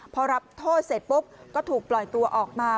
พอรับโทษเสร็จปุ๊บก็ถูกปล่อยตัวออกมา